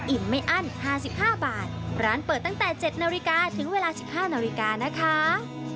ไม่อั้น๕๕บาทร้านเปิดตั้งแต่๗นาฬิกาถึงเวลา๑๕นาฬิกานะคะ